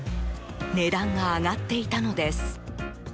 値段が上がっていたのです。